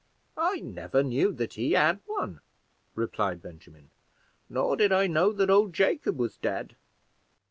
"I never knew that he had one," replied Benjamin; "nor did I know that old Jacob was dead."